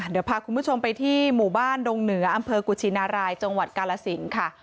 เดี๋ยวพาคุณผู้ชมไปที่หมู่บ้านดงเหนืออำเภอกุชินารายจังหวัดกาลสินค่ะ